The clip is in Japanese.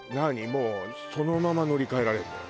もうそのまま乗り換えられるのよ。